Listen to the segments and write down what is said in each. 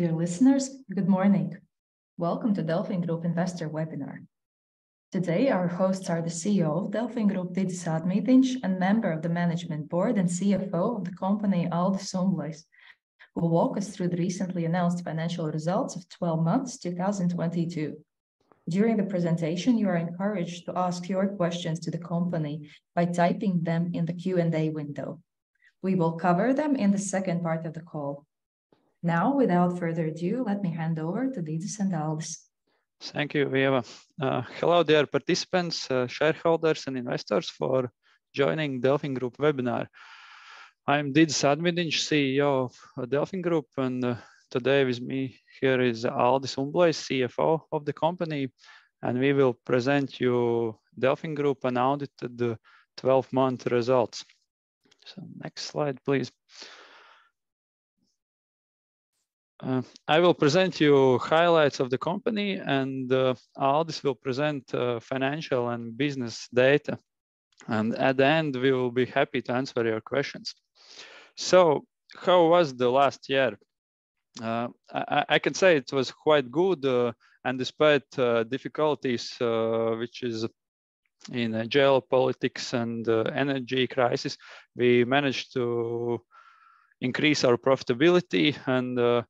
Dear listeners, good morning. Welcome to DelfinGroup Investor Webinar. Today, our hosts are the CEO of DelfinGroup, Didzis Ādmīdiņš, and Member of the Management Board and CFO of the company, Aldis Umblejs, will walk us through the recently announced financial results of 12 months 2022. During the presentation, you are encouraged to ask your questions to the company by typing them in the Q&A window. We will cover them in the second part of the call. Without further ado, let me hand over to Didzis and Aldis. Thank you, Ieva. Hello, dear participants, shareholders and investors for joining DelfinGroup webinar. I'm Didzis Ādmīdiņš, CEO of DelfinGroup, and today with me here is Aldis Umblejs, CFO of the company, and we will present you DelfinGroup unaudited twelve month results. Next slide, please. I will present you highlights of the company and Aldis will present financial and business data. At the end, we will be happy to answer your questions. How was the last year? I can say it was quite good, and despite difficulties, which is in geopolitics and energy crisis, we managed to increase our profitability and.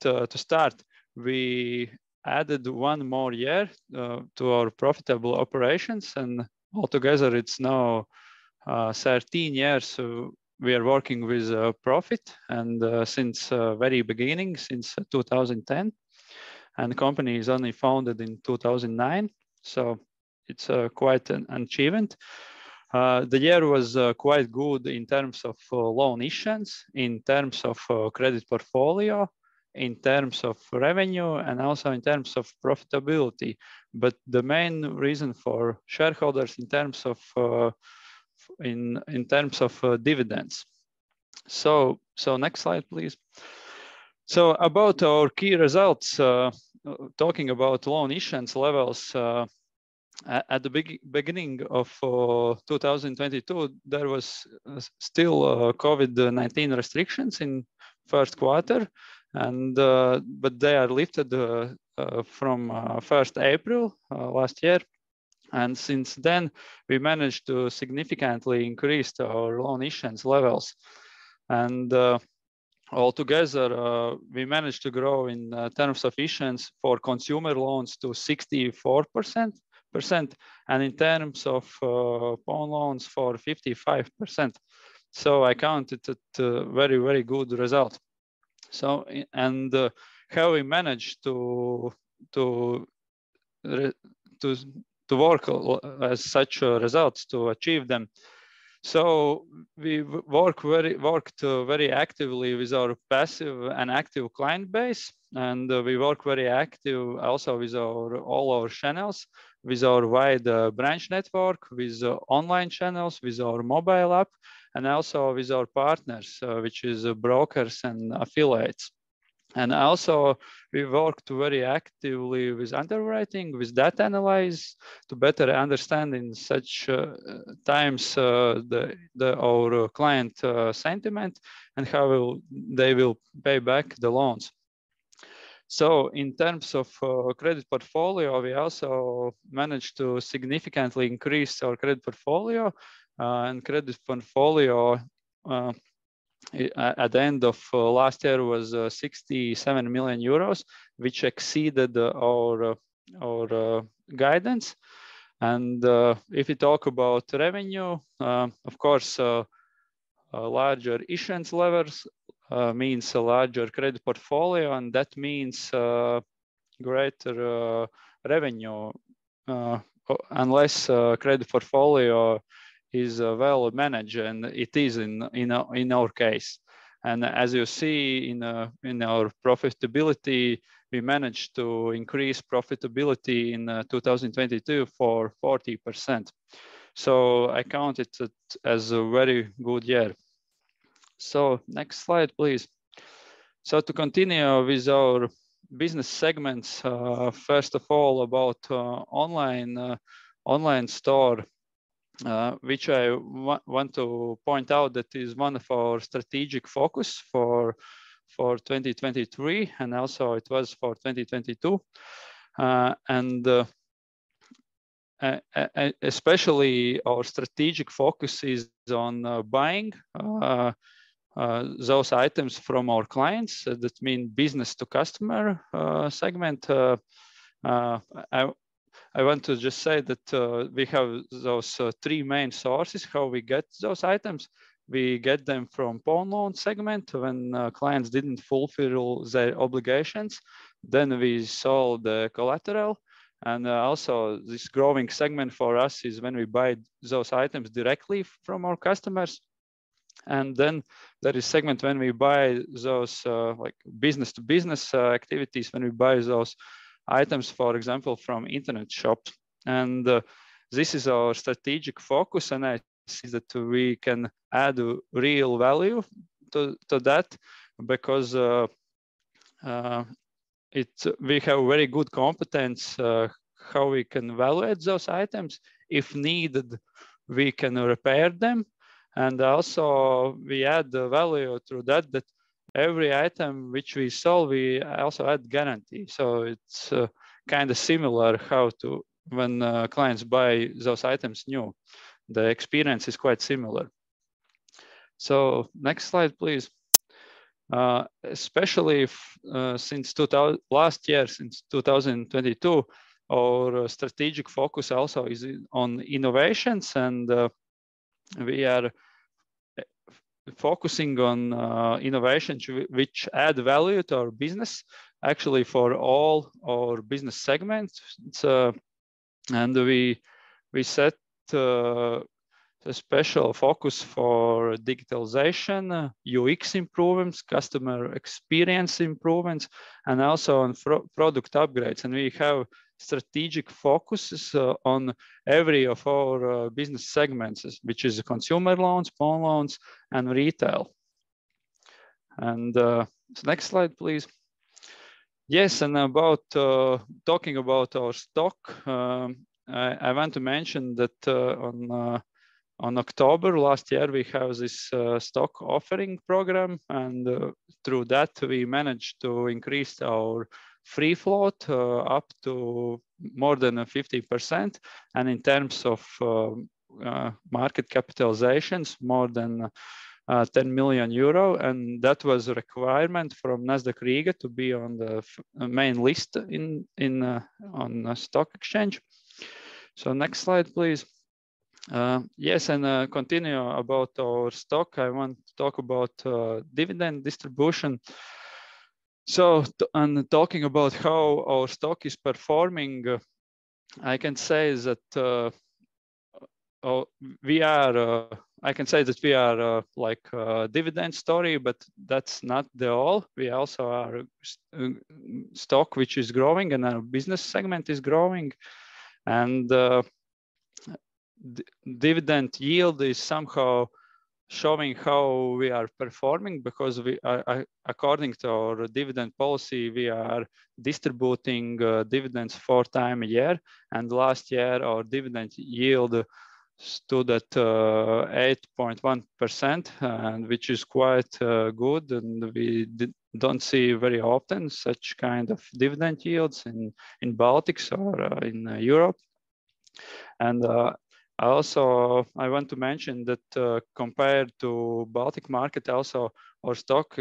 To start, we added one more year to our profitable operations, and altogether it's now 13 years. We are working with profit and since very beginning, since 2010. The company is only founded in 2009. It's quite an achievement. The year was quite good in terms of loan issuance, in terms of credit portfolio, in terms of revenue, and also in terms of profitability. The main reason for shareholders in terms of dividends. Next slide, please. About our key results, talking about loan issuance levels, at the beginning of 2022, there was still COVID-19 restrictions in first quarter. They are lifted from 1st April last year. Since then, we managed to significantly increase our loan issuance levels. Altogether, we managed to grow in terms of issuance for consumer loans to 64%, and in terms of pawn loans for 55%. I count it a very, very good result, and how we managed to work as such a results to achieve them. We worked very actively with our passive and active client base, and we work very active also with our, all our channels, with our wide branch network, with online channels, with our mobile app, and also with our partners, which is brokers and affiliates. We worked very actively with underwriting, with data analysis to better understand in such times our client sentiment and how they will pay back the loans. In terms of credit portfolio, we also managed to significantly increase our credit portfolio. Credit portfolio at the end of last year was 67 million euros, which exceeded our guidance. If you talk about revenue, of course, larger issuance levels means a larger credit portfolio, and that means greater revenue, unless credit portfolio is well managed, and it is in our case. As you see in our profitability, we managed to increase profitability in 2022 for 40%. I count it as a very good year. Next slide, please. To continue with our business segments, first of all, about online store, which I want to point out that is one of our strategic focus for 2023 and also it was for 2022. Especially our strategic focus is on buying those items from our clients. That mean business to customer segment. I want to just say that we have those three main sources how we get those items. We get them from pawn loan segment when clients didn't fulfill their obligations, then we sell the collateral. Also this growing segment for us is when we buy those items directly from our customers. There is segment when we buy those, like business to business activities, when we buy those items, for example, from internet shops. This is our strategic focus, and I see that we can add real value to that because It's, we have very good competence how we can evaluate those items. If needed, we can repair them, and also we add the value through that every item which we sell, we also add guarantee. It's kinda similar how to when clients buy those items new. The experience is quite similar. Next slide, please. Especially if, since last year, since 2022, our strategic focus also is on innovations and we are focusing on innovations which add value to our business, actually for all our business segments. We set a special focus for digitalization, UX improvements, customer experience improvements, and also on pro, product upgrades. We have strategic focuses on every of our business segments, which is consumer loans, small loans, and retail. Next slide, please. About talking about our stock, I want to mention that on October last year, we have this stock offering program, through that, we managed to increase our free float up to more than 50% and in terms of market capitalizations, more than 10 million euro, and that was a requirement from Nasdaq Riga to be on the main list in on stock exchange. Next slide, please. Continue about our stock. I want to talk about dividend distribution. On talking about how our stock is performing, I can say that we are a dividend story, but that's not the all. We also are stock which is growing and our business segment is growing. Dividend yield is somehow showing how we are performing because according to our dividend policy, we are distributing dividends four time a year. Last year, our dividend yield stood at 8.1%, which is quite good, and we don't see very often such kind of dividend yields in Baltics or in Europe. Also, I want to mention that compared to Baltic market also, our stock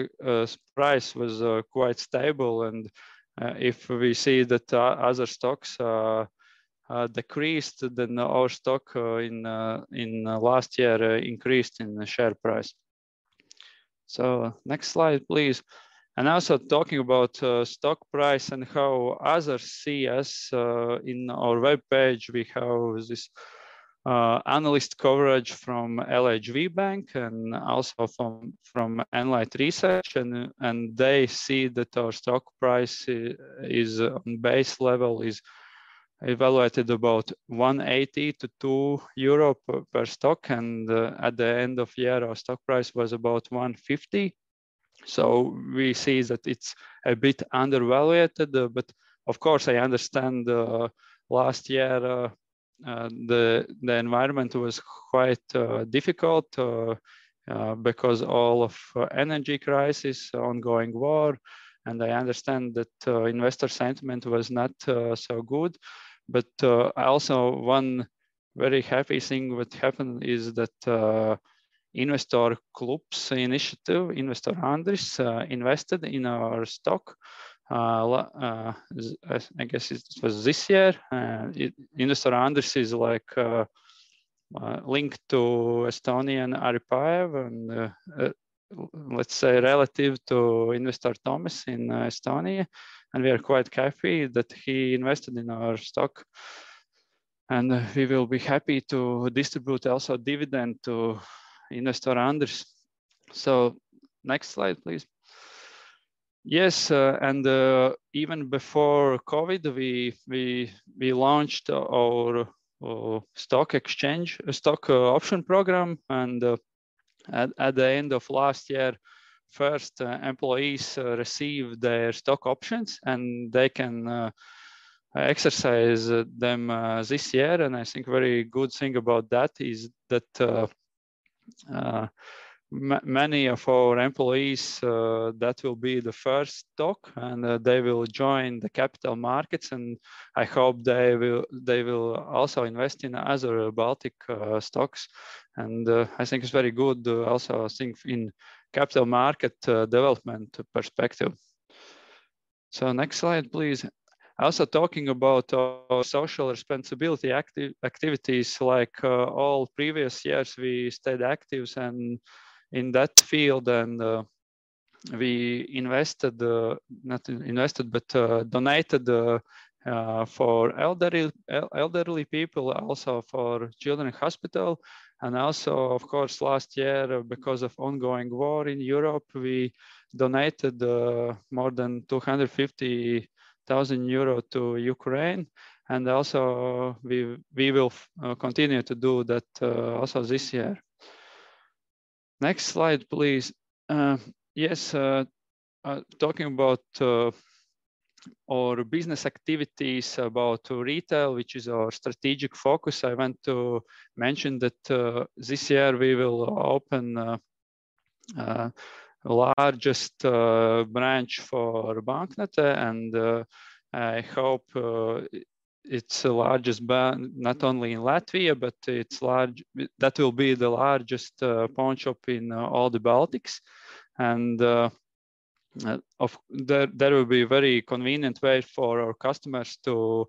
price was quite stable. If we see that other stocks decreased, then our stock in last year increased in the share price. Next slide, please. Also talking about stock price and how others see us. In our webpage, we have this analyst coverage from LHV Bank and also from Enlight Research, and they see that our stock price is on base level is evaluated about 1.80-2 euro per stock. At the end of year, our stock price was about 1.50. We see that it's a bit undervalued. Of course, I understand last year the environment was quite difficult because all of energy crisis, ongoing war, and I understand that investor sentiment was not so good. Also one very happy thing what happened is that investor clubs initiative, Investor Toomas, invested in our stock. I guess it was this year. Investor Toomas is like linked to Estonian Äripäev and let's say relative to Investor Toomas in Estonia. We are quite happy that he invested in our stock, and we will be happy to distribute also dividend to Investor Toomas. Next slide, please. Yes, even before COVID-19, we launched our stock exchange, stock option program. At the end of last year, first employees received their stock options, and they can exercise them this year. I think very good thing about that is that many of our employees that will be the first stock, and they will join the capital markets, and I hope they will also invest in other Baltic stocks. I think it's very good also I think in capital market development perspective. Next slide, please. Also talking about our social responsibility activities. Like all previous years, we stayed actives in that field, and we invested, not invested, but donated for elderly people, also for children hospital. Also of course last year, because of ongoing war in Europe, we donated more than 250,000 euro to Ukraine. Also, we will continue to do that also this year. Next slide, please. Yes, talking about our business activities about retail, which is our strategic focus, I want to mention that this year we will open largest branch for Banknote. I hope it's the largest not only in Latvia, but that will be the largest pawnshop in all the Baltics. There will be very convenient way for our customers to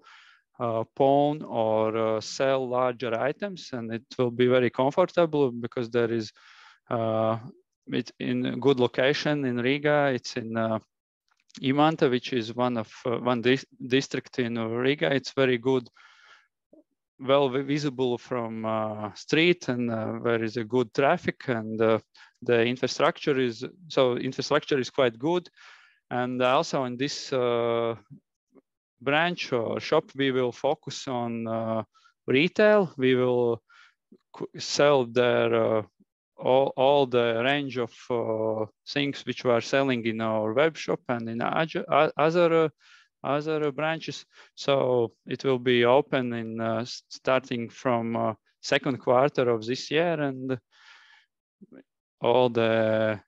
pawn or sell larger items. It will be very comfortable because there is. It's in a good location in Riga. It's in Imanta, which is one of one district in Riga. It's very good, well visible from street, there is a good traffic infrastructure is quite good. Also in this branch or shop, we will focus on retail. We will sell there all the range of things which we are selling in our webshop and in other branches. It will be open starting from second quarter of this year. All the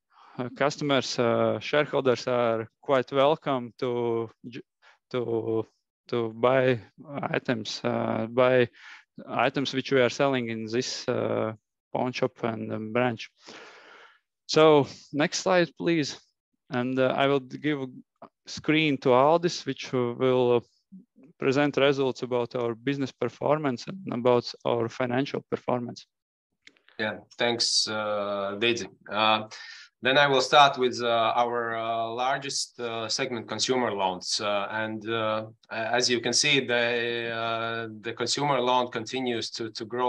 customers, shareholders are quite welcome to buy items which we are selling in this pawnshop and branch. Next slide, please. I would give screen to Aldis, which will present results about our business performance and about our financial performance. Thanks, Didzis. I will start with our largest segment, consumer loans. As you can see, the consumer loan continues to grow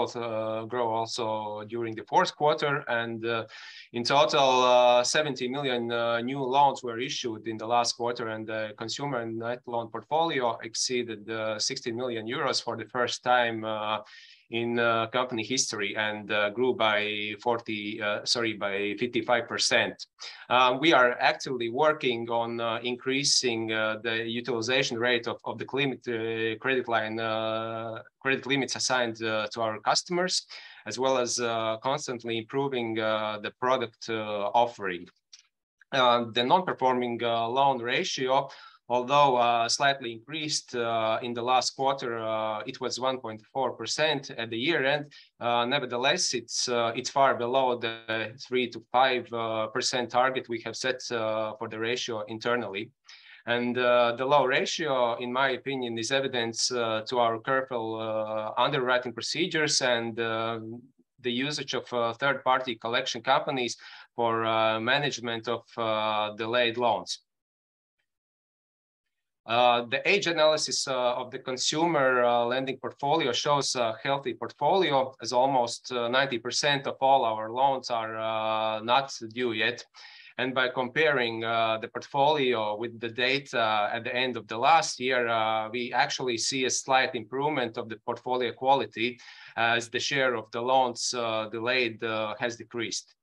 also during the fourth quarter. In total, 70 million new loans were issued in the last quarter, and the consumer and net loan portfolio exceeded 60 million euros for the first time in company history, and grew by 55%. We are actively working on increasing the utilization rate of the claim credit line credit limits assigned to our customers, as well as constantly improving the product offering. The non performing loan ratio, although slightly increased in the last quarter, it was 1.4% at the year-end. Nevertheless, it's far below the 3%-5% target we have set for the ratio internally. The low ratio, in my opinion, is evidence to our careful underwriting procedures and the usage of third party collection companies for management of delayed loans. The age analysis of the consumer lending portfolio shows a healthy portfolio as almost 90% of all our loans are not due yet. By comparing the portfolio with the data at the end of the last year, we actually see a slight improvement of the portfolio quality as the share of the loans delayed has decreased.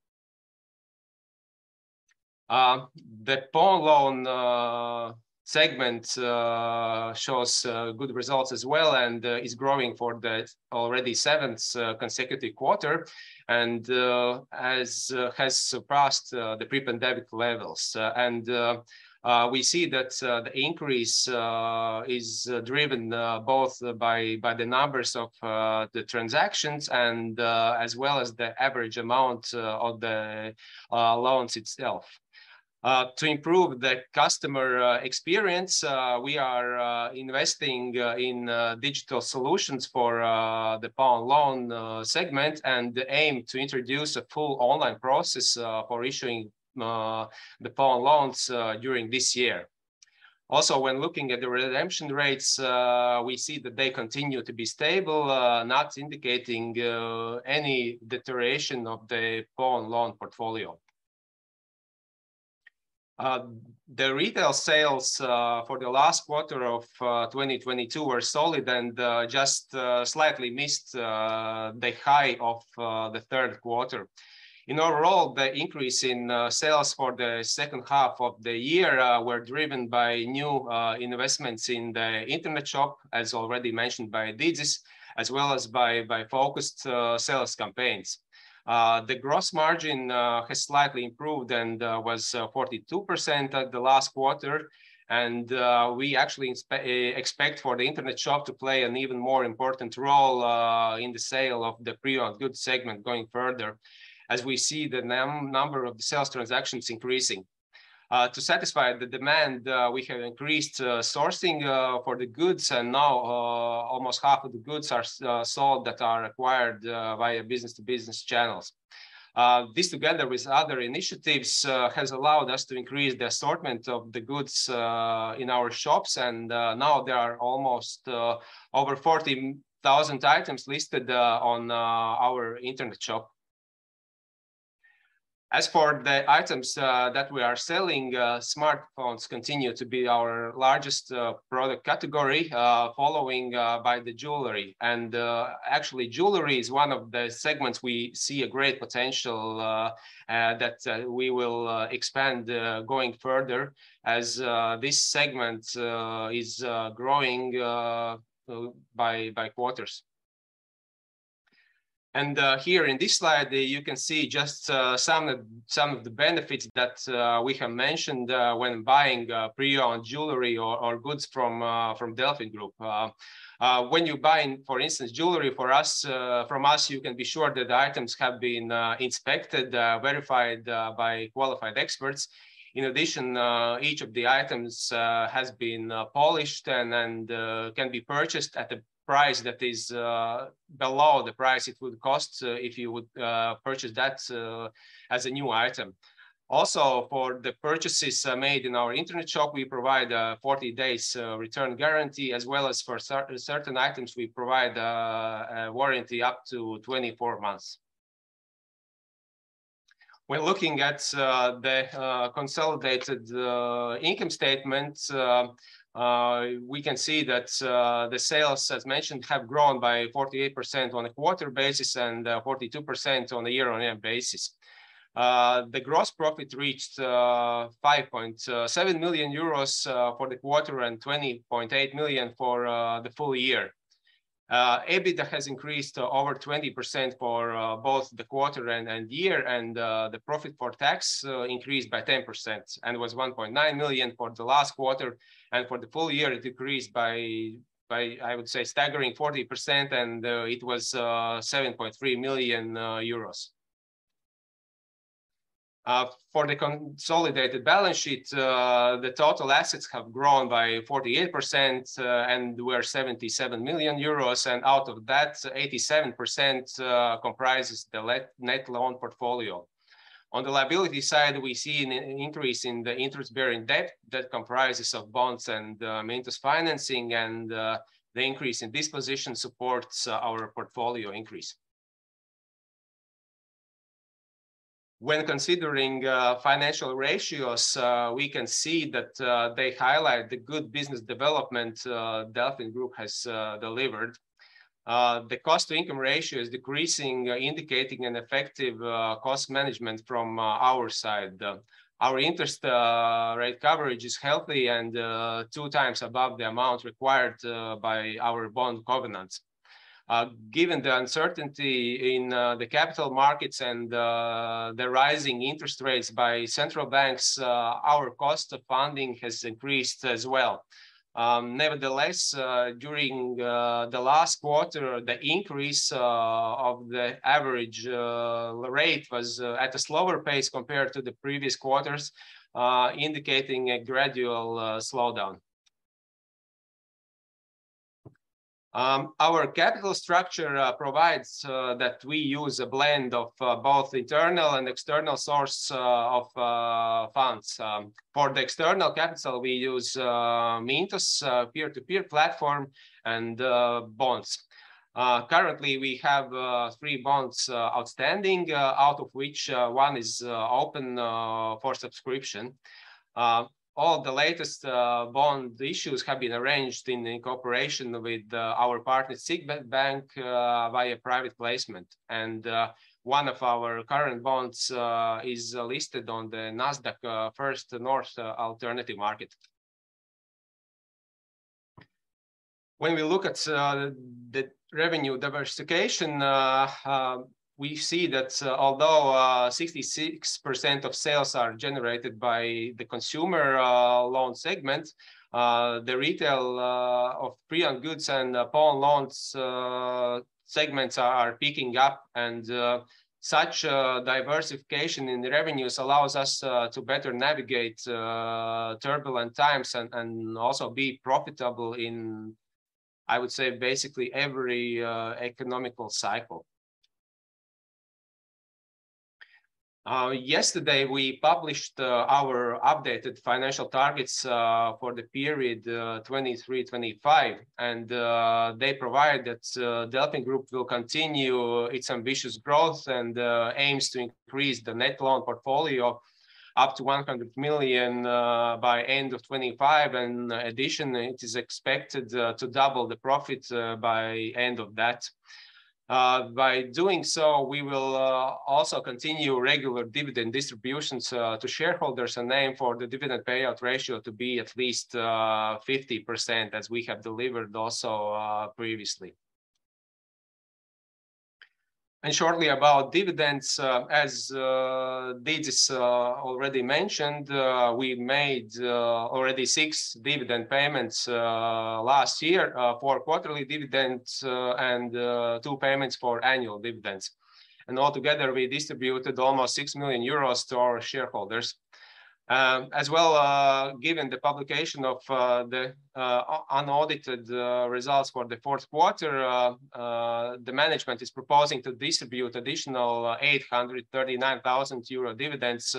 The pawn loan segment shows good results as well and is growing for the already seventh consecutive quarter and has surpassed the pre-pandemic levels. We see that the increase is driven both by the numbers of the transactions and as well as the average amount of the loans itself. To improve the customer experience, we are investing in digital solutions for the pawn loan segment and aim to introduce a full online process for issuing the pawn loans during this year. When looking at the redemption rates, we see that they continue to be stable, not indicating any deterioration of the pawn loan portfolio. The retail sales for the last quarter of 2022 were solid and just slightly missed the high of the third quarter. In overall, the increase in sales for the second half of the year were driven by new investments in the internet shop, as already mentioned by Didzis, as well as by focused sales campaigns. The gross margin has slightly improved and was 42% at the last quarter and we actually expect for the internet shop to play an even more important role in the sale of the pre-owned goods segment going further as we see the number of the sales transactions increasing. To satisfy the demand, we have increased sourcing for the goods, now almost half of the goods are sold that are acquired via business to business channels. This together with other initiatives has allowed us to increase the assortment of the goods in our shops, now there are almost over 40,000 items listed on our internet shop. As for the items that we are selling, smartphones continue to be our largest product category, following by the jewelry. Actually, jewelry is one of the segments we see a great potential that we will expand going further as this segment is growing by quarters. Here in this slide, you can see just some of the benefits that we have mentioned when buying pre owned jewelry or goods from DelfinGroup. When you're buying, for instance, jewelry for us, from us, you can be sure that the items have been inspected, verified, by qualified experts. In addition, each of the items has been polished and can be purchased at a price that is below the price it would cost if you would purchase that as a new item. Also, for the purchases made in our internet shop, we provide 40 days' return guarantee, as well as for certain items we provide a warranty up to 24 months. When looking at the consolidated income statement, we can see that the sales, as mentioned, have grown by 48% on a quarter basis and 42% on a year-on-year basis. The gross profit reached 5.7 million euros for the quarter and 20.8 million for the full year. EBITDA has increased over 20% for both the quarter and year. The profit for tax increased by 10% and was 1.9 million for the last quarter, and for the full year it decreased by, I would say, staggering 40%, and it was 7.3 million euros. For the consolidated balance sheet, the total assets have grown by 48% and were 77 million euros, and out of that, 87% comprises the net loan portfolio. On the liability side, we see an increase in the interest bearing debt that comprises of bonds and Mintos financing, and the increase in this position supports our portfolio increase. When considering financial ratios, we can see that they highlight the good business development DelfinGroup has delivered. The Cost to income ratio is decreasing, indicating an effective cost management from our side. Our interest rate coverage is healthy and two times above the amount required by our bond covenants. Given the uncertainty in the capital markets and the rising interest rates by central banks, our cost of funding has increased as well. Nevertheless, during the last quarter, the increase of the average rate was at a slower pace compared to the previous quarters, indicating a gradual slowdown. Our capital structure provides that we use a blend of both internal and external source of funds. For the external capital, we use Mintos peer to peer platform and bonds. Currently, we have three bonds outstanding, out of which one is open for subscription. All the latest bond issues have been arranged in the incorporation with our partner, Signet Bank, via private placement. One of our current bonds is listed on the Nasdaq First North alternative market. When we look at the revenue diversification, we see that although 66% of sales are generated by the consumer loan segment, the retail of pre-owned goods and pawn loans segments are picking up and such diversification in the revenues allows us to better navigate turbulent times and also be profitable in, I would say, basically every economic cycle. Yesterday we published our updated financial targets for the period 2023, 2025. They provide that DelfinGroup will continue its ambitious growth and aims to increase the net loan portfolio up to 100 million by end of 2025. Additionally, it is expected to double the profit by end of that. By doing so, we will also continue regular dividend distributions to shareholders and aim for the dividend payout ratio to be at least 50% as we have delivered also previously. Shortly about dividends, as Didzis already mentioned, we made already six dividend payments last year, four quarterly dividends and two payments for annual dividends. All together, we distributed almost 6 million euros to our shareholders. As well, given the publication of the unaudited results for the fourth quarter, the management is proposing to distribute additional 839,000 euro dividends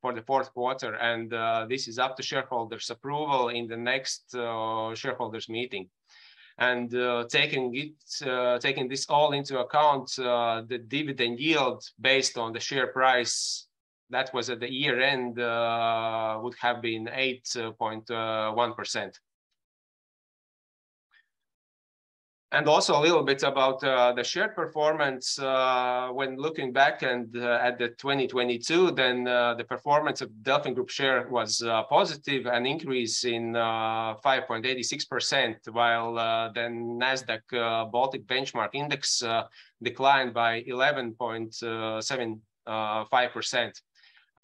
for the fourth quarter and this is up to shareholders' approval in the next shareholders' meeting. Taking this all into account, the dividend yield based on the share price that was at the year end would have been 8.1%. Also a little bit about the share performance. When looking back and at 2022, then the performance of DelfinGroup share was positive, an increase in 5.86%, while the OMX Baltic Benchmark Index declined by 11.75%.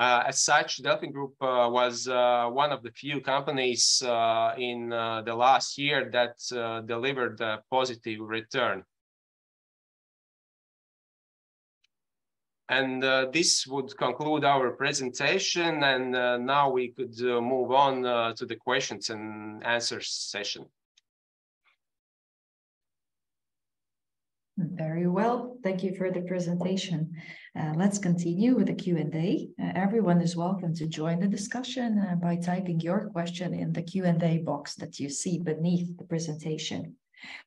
As such, DelfinGroup was one of the few companies in the last year that delivered a positive return. This would conclude our presentation, and now we could move on to the questions and answers session. Very well. Thank you for the presentation. Let's continue with the Q&A. Everyone is welcome to join the discussion by typing your question in the Q&A box that you see beneath the presentation.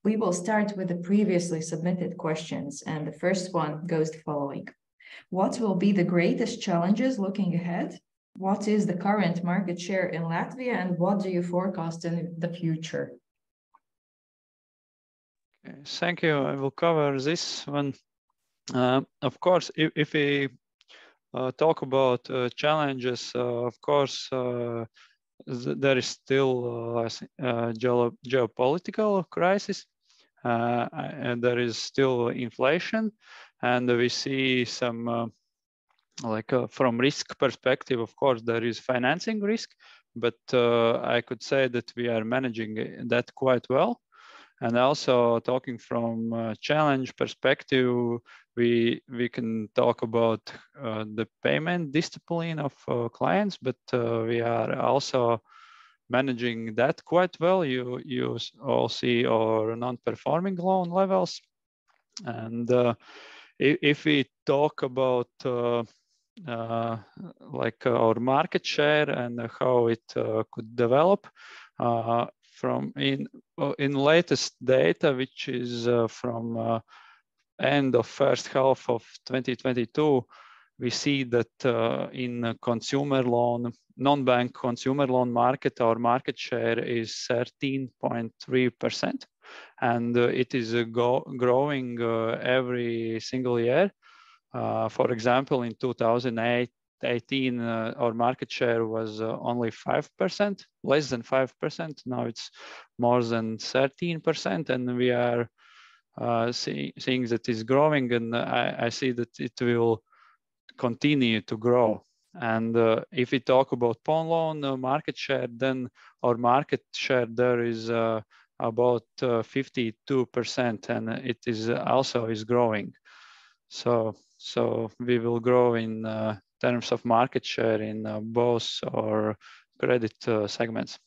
We will start with the previously submitted questions. The first one goes the following: What will be the greatest challenges looking ahead? What is the current market share in Latvia, and what do you forecast in the future? Okay, thank you. I will cover this one. Of course, if we talk about challenges, of course, there is still, I think, geopolitical crisis, and there is still inflation, and we see some, like, from risk perspective, of course, there is financing risk. I could say that we are managing that quite well. Also, talking from a challenge perspective, we can talk about the payment discipline of clients, we are also managing that quite well. You all see our non performing loan levels. If we talk about our market share and how it could develop from in latest data, which is from end of first half of 2022, we see that in a consumer loan, non bank consumer loan market, our market share is 13.3%, and it is growing every single year. For example, in 2018, our market share was only 5%, less than 5%. Now it's more than 13%, and we are seeing that it's growing, and I see that it will continue to grow. If we talk about pawn loan market share, our market share there is about 52%, and it is also is growing. We will grow in terms of market share in both our credit segments.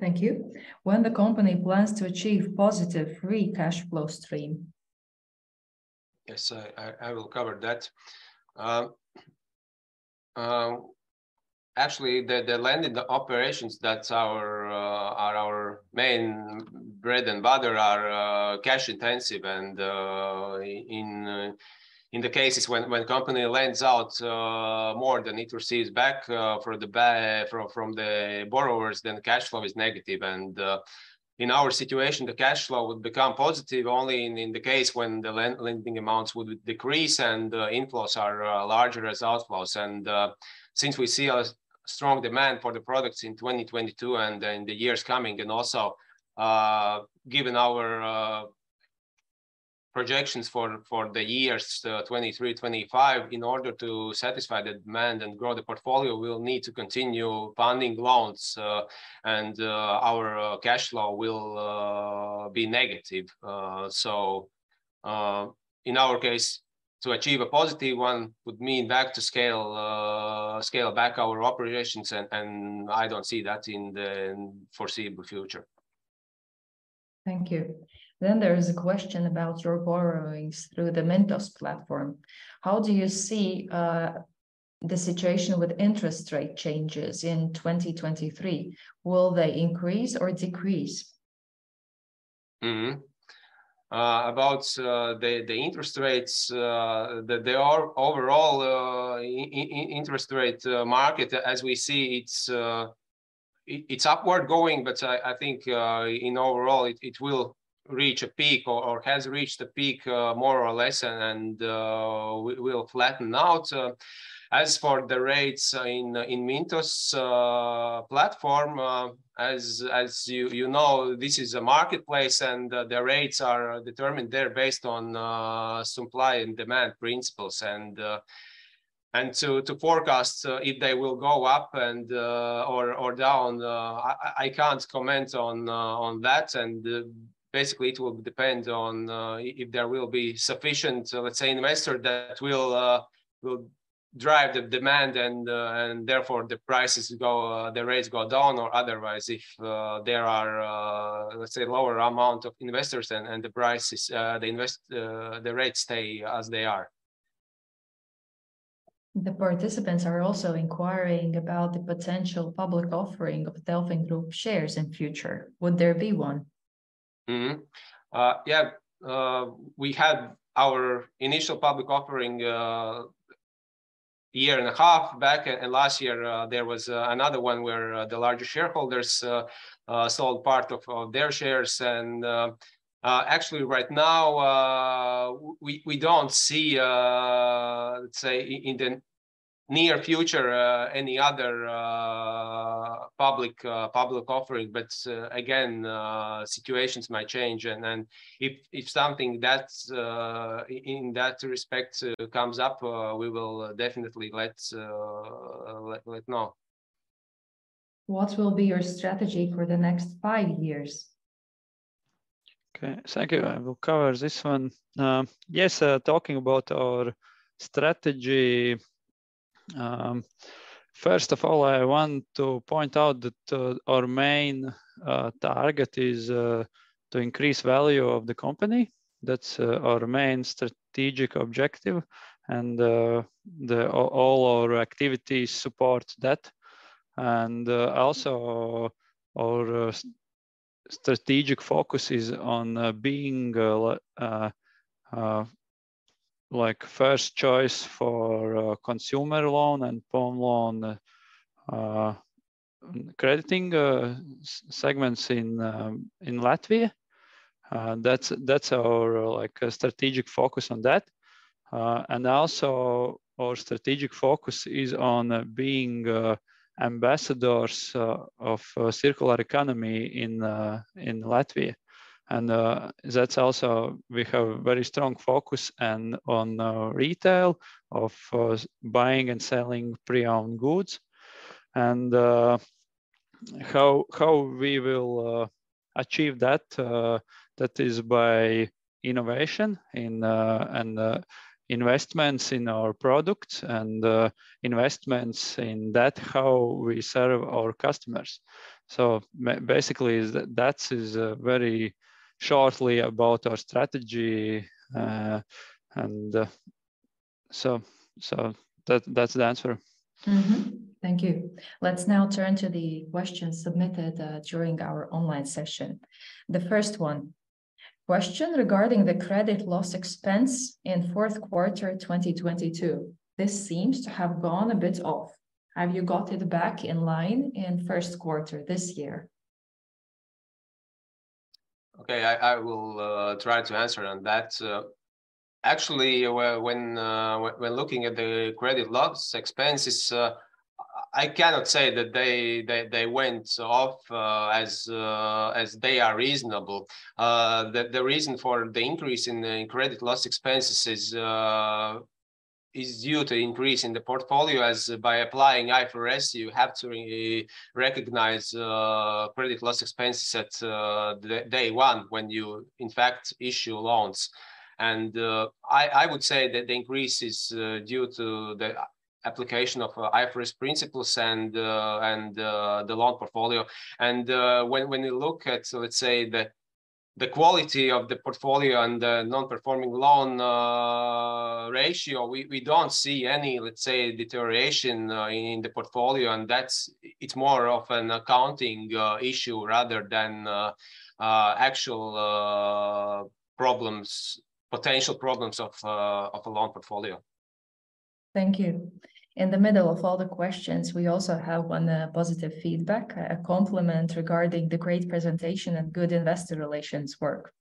Thank you. When the company plans to achieve positive free cash flow stream? Yes, I will cover that. Actually, the lending operations are our main bread and butter are cash intensive, and in the cases when company lends out more than it receives back from the borrowers, then the cash flow is negative. In our situation, the cash flow would become positive only in the case when the lending amounts would decrease and the inflows are larger as outflows. Since we see a strong demand for the products in 2022 and in the years coming, given our projections for the years 2023, 2025, in order to satisfy the demand and grow the portfolio, we'll need to continue funding loans, and our cash flow will be negative. So, in our case, to achieve a positive one would mean back to scale back our operations, and I don't see that in the foreseeable future. Thank you. There is a question about your borrowings through the Mintos platform. How do you see the situation with interest rate changes in 2023? Will they increase or decrease? About the interest rates, the overall interest rate market, as we see, it's upward going, but I think in overall, it will reach a peak or has reached a peak more or less, and will flatten out. As for the rates in Mintos' platform, as you know, this is a marketplace and the rates are determined there based on supply and demand principles. To forecast if they will go up and or down, I can't comment on that. Basically it will depend on if there will be sufficient, let's say, investor that will drive the demand, and therefore the prices go, the rates go down, or otherwise, if there are, let's say, lower amount of investors and the prices, the rates stay as they are. The participants are also inquiring about the potential public offering of DelfinGroup shares in future. Would there be one? Yeah. We had our initial public offering a year and a half back, and last year, there was another one where the larger shareholders sold part of their shares. Actually right now, we don't see, let's say in the near future, any other public offering. Again, situations might change, and then if something that's in that respect comes up, we will definitely let know. What will be your strategy for the next five years? Okay. Thank you. Yes, talking about our strategy, first of all, I want to point out that our main target is to increase value of the company. That's our main strategic objective, and all our activities support that. Also our strategic focus is on being like first choice for consumer loan and pawn loan crediting segments in Latvia. That's our like strategic focus on that. Also our strategic focus is on being ambassadors of a circular economy in Latvia. That's also we have very strong focus and on retail of buying and selling pre-owned goods. How we will achieve that is by innovation and investments in our products and investments in that how we serve our customers. Basically is that is very shortly about our strategy. So that's the answer. Thank you. Let's now turn to the questions submitted during our online session. The first one, question regarding the credit loss expense in fourth quarter 2022. This seems to have gone a bit off. Have you got it back in line in first quarter this year? Okay. I will try to answer on that. Actually, when looking at the credit loss expenses, I cannot say that they went off as they are reasonable. The reason for the increase in the credit loss expenses is due to increase in the portfolio as by applying IFRS you have to recognize credit loss expenses at day one when you in fact issue loans. I would say that the increase is due to the application of IFRS principles and the loan portfolio. When you look at, let's say, the quality of the portfolio and the non-performing loan ratio, we don't see any, let's say, deterioration in the portfolio, and that's It's more of an accounting issue rather than actual problems, potential problems of the loan portfolio. Thank you. In the middle of all the questions, we also have one positive feedback, a compliment regarding the great presentation and good investor relations work.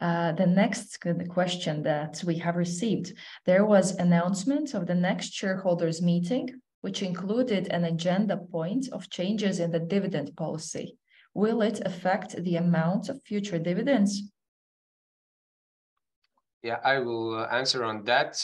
The next question that we have received. There was announcement of the next shareholders meeting, which included an agenda point of changes in the dividend policy. Will it affect the amount of future dividends? Yeah, I will answer on that.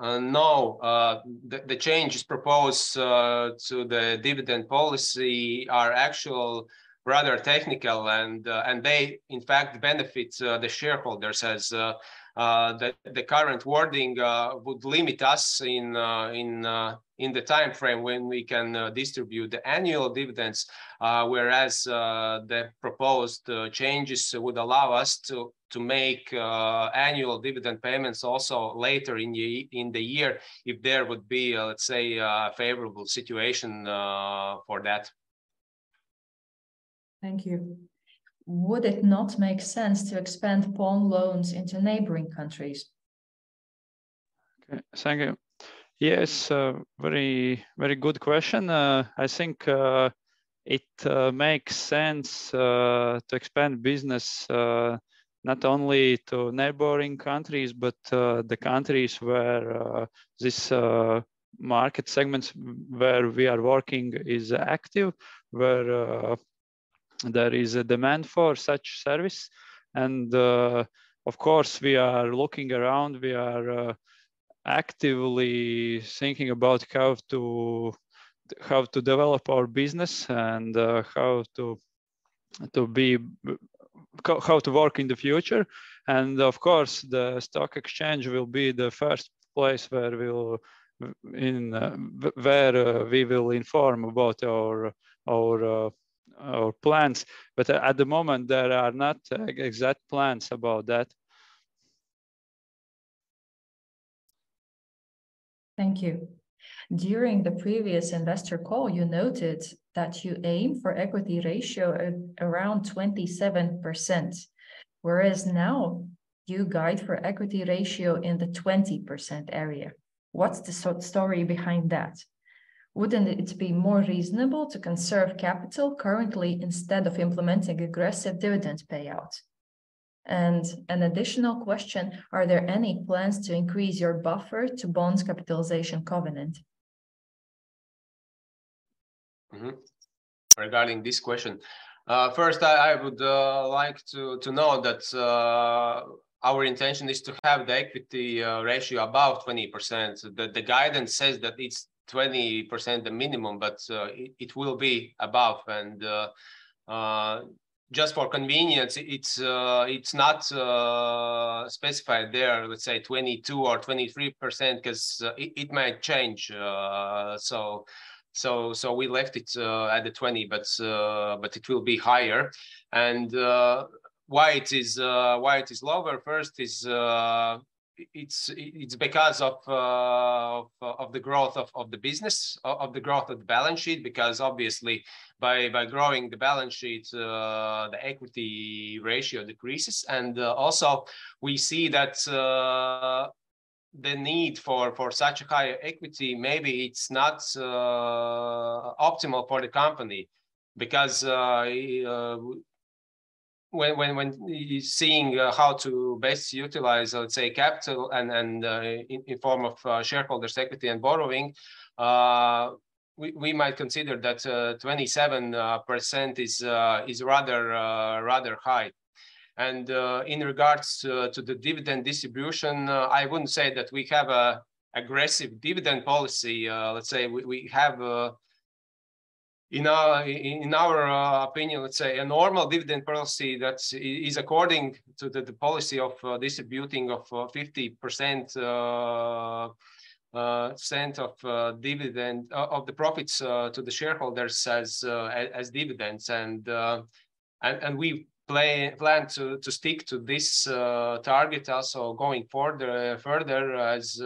No, the changes proposed to the dividend policy are actual rather technical and they in fact benefit the shareholders as the current wording would limit us in the timeframe when we can distribute the annual dividends, whereas the proposed changes would allow us to make annual dividend payments also later in the year if there would be, let's say, a favorable situation for that. Thank you. Would it not make sense to expand pawn loans into neighboring countries? Okay. Thank you. Yes, very good question. I think it makes sense to expand business not only to neighboring countries, but the countries where this market segments where we are working is active, where there is a demand for such service. Of course, we are looking around. We are actively thinking about how to develop our business and how to work in the future. Of course, the stock exchange will be the first place where we will inform about our plans. At the moment there are not exact plans about that. Thank you. During the previous investor call, you noted that you aim for equity ratio at around 27%, whereas now you guide for equity ratio in the 20% area. What's the so story behind that? Wouldn't it be more reasonable to conserve capital currently instead of implementing aggressive dividend payout? An additional question, are there any plans to increase your buffer to bonds capitalization covenant? Regarding this question, first I would like to note that our intention is to have the equity ratio above 20%. The guidance says that it's 20% the minimum, but it will be above. Just for convenience, it's not specified there, let's say 22% or 23% cause it might change. So we left it at the 20 but it will be higher. Why it is lower, first is because of the growth of the business. Of the growth of the balance sheet because obviously by growing the balance sheet, the equity ratio decreases. Also we see that the need for such a higher equity, maybe it's not optimal for the company because when seeing how to best utilize, let's say, capital and, in form of shareholders' equity and borrowing, we might consider that 27% is rather high. In regards to the dividend distribution, I wouldn't say that we have a aggressive dividend policy. Let's say in our opinion, let's say, a normal dividend policy that's is according to the policy of distributing of 50% of the profits to the shareholders as dividends. We plan to stick to this target also going further as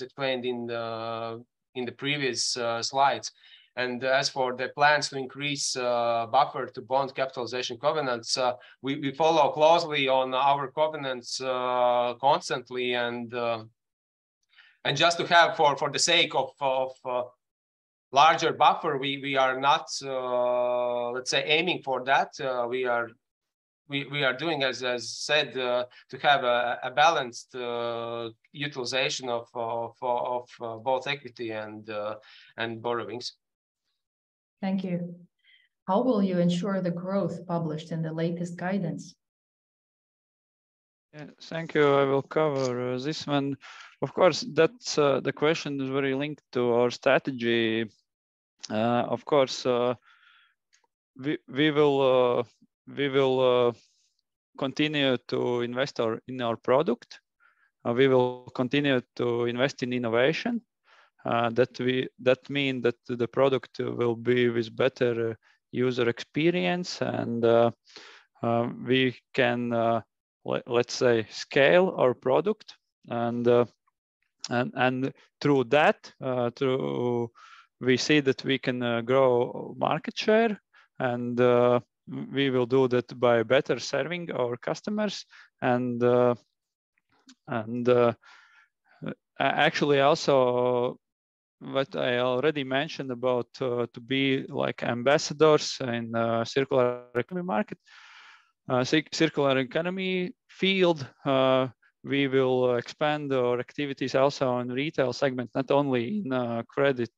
explained in the previous slides. As for the plans to increase buffer to bond capitalization covenants, we follow closely on our covenants constantly and just to have for the sake of larger buffer. We are not, let's say, aiming for that. We are doing as said to have a balanced utilization of both equity and borrowings. Thank you. How will you ensure the growth published in the latest guidance? Yeah. Thank you. I will cover this one. Of course, that's the question is very linked to our strategy. Of course, we will continue to invest in our product, and we will continue to invest in innovation. That mean that the product will be with better user experience and we can, let's say, scale our product and through that, We see that we can grow market share, and we will do that by better serving our customers. Actually also what I already mentioned about to be like ambassadors in circular economy market, circular economy field, we will expand our activities also in retail segments, not only in credit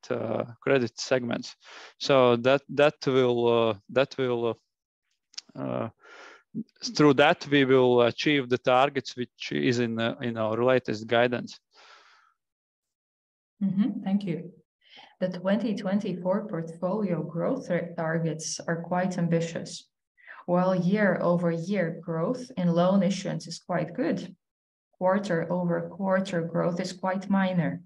segments. That will, through that we will achieve the targets which is in our latest guidance. Thank you. The 2024 portfolio growth targets are quite ambitious. While year-over-year growth in loan issuance is quite good, quarter-over-quarter growth is quite minor.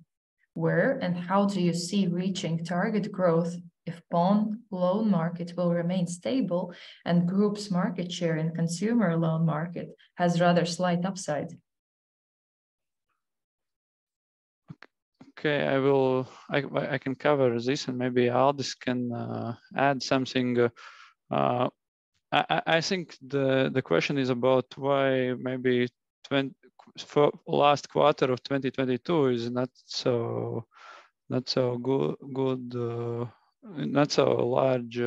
Where and how do you see reaching target growth if bond loan market will remain stable and group's market share in consumer loan market has rather slight upside? Okay. I will I can cover this and maybe Aldis can add something. I think the question is about why maybe for last quarter of 2022 is not so good, not so large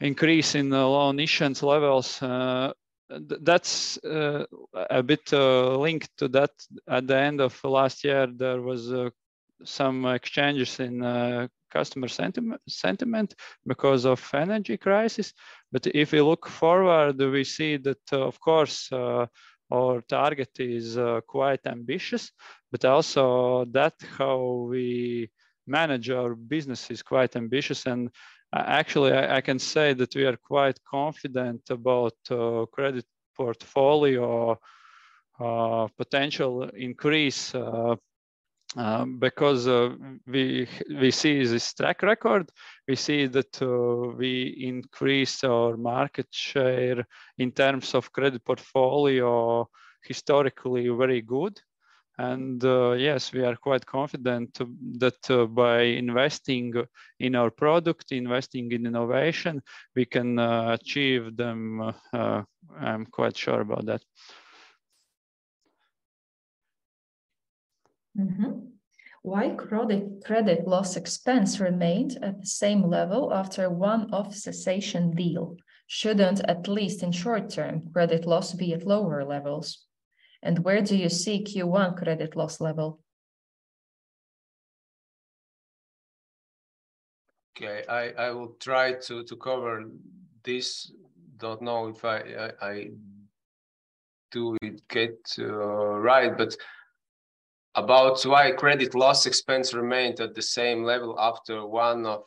increase in the loan issuance levels. That's a bit linked to that. At the end of last year, there was some exchanges in customer sentiment because of energy crisis. If you look forward, we see that, of course, our target is quite ambitious, but also that how we manage our business is quite ambitious. Actually, I can say that we are quite confident about credit portfolio, potential increase. We see this track record, we see that we increased our market share in terms of credit portfolio historically very good. Yes, we are quite confident that by investing in our product, investing in innovation, we can achieve them. I'm quite sure about that. Why credit loss expense remained at the same level after one off cessation deal? Shouldn't, at least in short term, credit loss be at lower levels? Where do you see Q1 credit loss level? Okay. I will try to cover this. Don't know if I do it get right, but about why credit loss expense remained at the same level after one off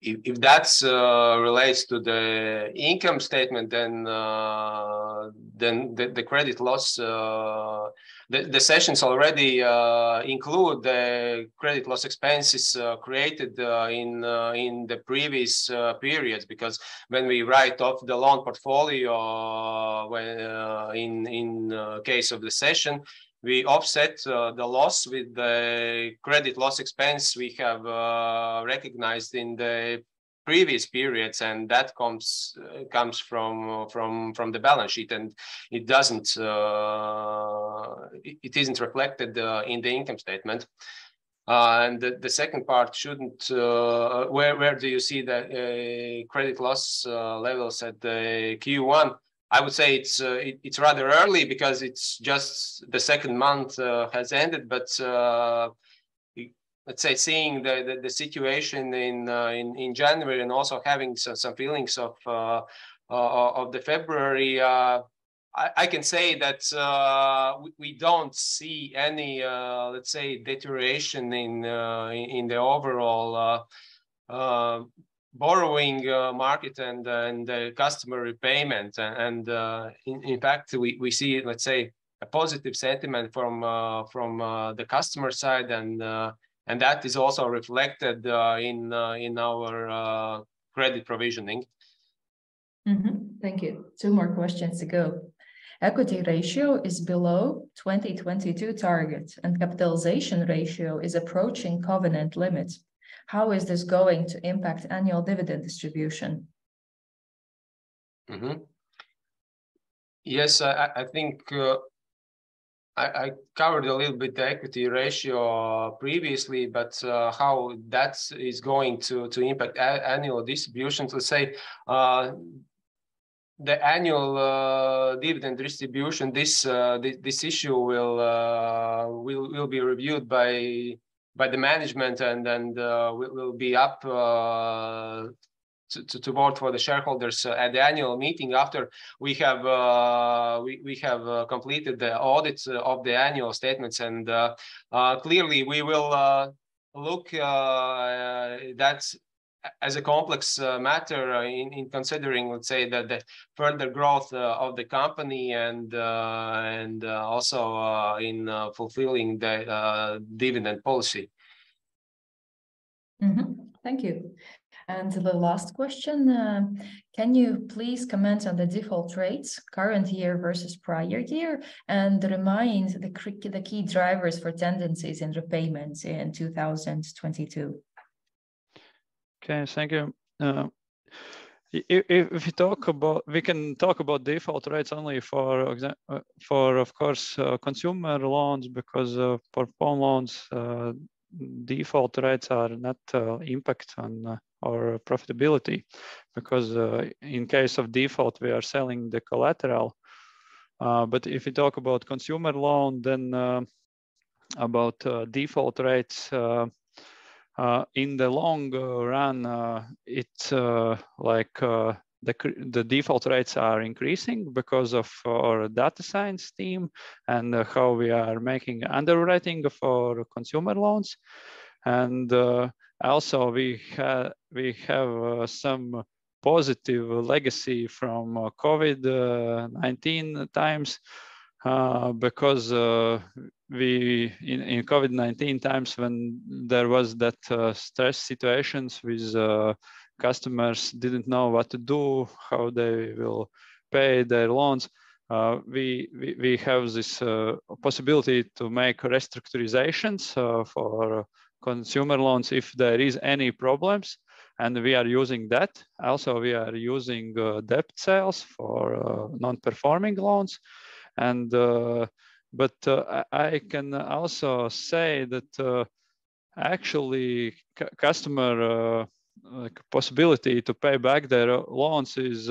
cessation. If, if that's relates to the income statement, then the cessations already include the credit loss expenses created in the previous periods because when we write off the loan portfolio, when in case of the cessation, we offset the loss with the credit loss expense we have recognized in the previous periods and that comes from the balance sheet and it doesn't, it isn't reflected in the income statement. Where do you see the credit loss levels at Q1? I would say it's rather early because it's just the second month has ended. let's say seeing the situation in January and also having some feelings of the February, I can say that we don't see any let's say deterioration in the overall borrowing market and customer repayment. in fact, we see, let's say, a positive sentiment from the customer side and that is also reflected in our credit provisioning. Thank you. Two more questions to go. Equity ratio is below 2022 targets and capitalization ratio is approaching covenant limits. How is this going to impact annual dividend distribution? Yes, I think I covered a little bit the equity ratio previously, but how that is going to impact annual distributions, let's say, the annual dividend distribution, this issue will be reviewed by the management and then will be up to vote for the shareholders at the annual meeting after we have completed the audits of the annual statements. Clearly we will look that as a complex matter in considering, let's say that the further growth of the company and also in fulfilling the dividend policy. Thank you. The last question, can you please comment on the default rates current year versus prior year and remind the key drivers for tendencies and repayments in 2022? Okay, thank you. If you talk about We can talk about default rates only for of course, consumer loans because for phone loans, default rates are not impact on our profitability because in case of default, we are selling the collateral. If you talk about consumer loan, then about default rates in the long run, it's like the default rates are increasing because of our data science team and how we are making underwriting for consumer loans. Also we have some positive legacy from COVID-19 times because we In COVID-19 times when there was that stress situations with customers didn't know what to do, how they will pay their loans, we have this possibility to make restructurizations for consumer loans if there is any problems, and we are using that. Also, we are using debt sales for non-performing loans and but I can also say that actually customer like possibility to pay back their loans is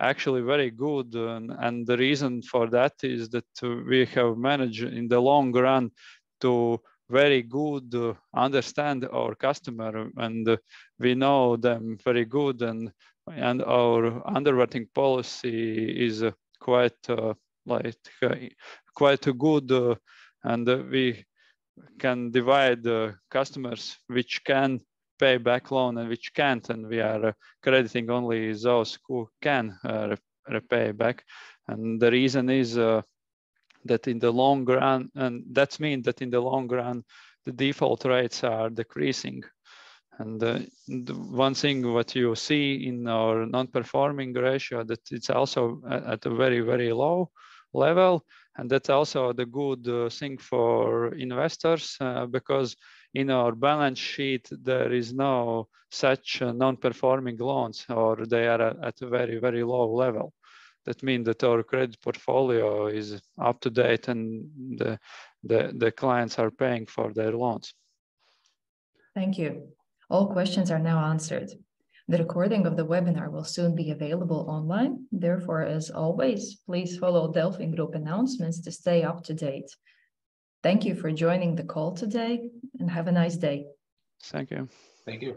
actually very good. The reason for that is that we have managed in the long run to very good understand our customer, and we know them very good and our underwriting policy is quite like quite good and we can divide the customers which can pay back loan and which can't, and we are crediting only those who can repay back. The reason is that in the long run. That mean that in the long run, the default rates are decreasing. One thing what you see in our non-performing ratio that it's also at a very, very low level, and that's also the good thing for investors because in our balance sheet there is no such non-performing loans or they are at a very, very low level. That mean that our credit portfolio is up to date and the clients are paying for their loans. Thank you. All questions are now answered. The recording of the webinar will soon be available online. Therefore, as always, please follow DelfinGroup announcements to stay up to date. Thank you for joining the call today, and have a nice day. Thank you. Thank you.